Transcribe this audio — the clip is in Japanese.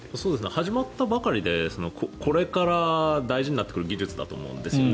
始まったばかりでこれから大事になってくる技術だと思うんですよね。